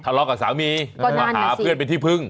ทะเลาะกับสามีมาหาเพื่อนเป็นที่พึ่ง